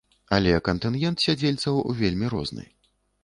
Але кантынгент сядзельцаў вельмі розны.